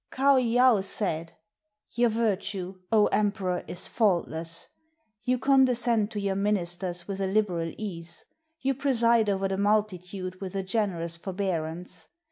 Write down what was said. Kaou yaou said, "Your virtue, O emperor, is faultless. You con descend to your ministers with a liberal ease; you preside over the multitude with a generous forbearance.